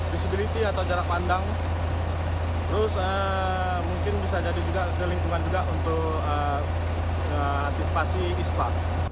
disabiliti atau jarak pandang terus mungkin bisa jadi juga kelingkungan juga untuk disipasi ispa